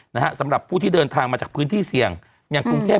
นะฮะสำหรับผู้ที่เดินทางมาจากพื้นที่เสี่ยงอย่างกรุงเทพ